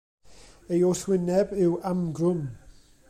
Ei wrthwyneb yw amgrwm.